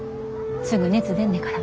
すぐ熱出んねから。